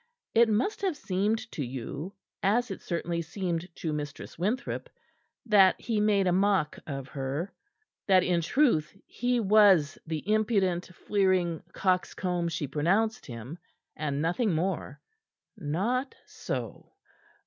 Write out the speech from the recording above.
It must have seemed to you as it certainly seemed to Mistress Winthrop that he made a mock of her; that in truth he was the impudent, fleering coxcomb she pronounced him, and nothing more. Not so.